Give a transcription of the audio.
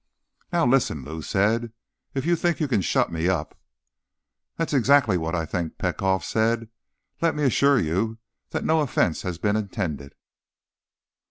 "Now, listen," Lou said. "If you think you can shut me up—" "That is exactly what I think," Petkoff said. "Let me assure you that no offense has been intended."